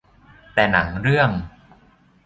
แต่หนังเรื่อง